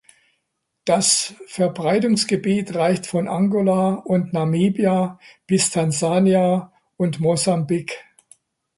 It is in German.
Das Verbreitungsgebiet reicht von Angola und Namibia bis Tansania und Mosambik.